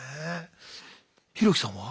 ヒロキさんは？